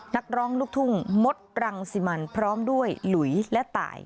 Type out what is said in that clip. นักร้องลูกทุ่งมดรังสิมันพร้อมด้วยหลุยและตาย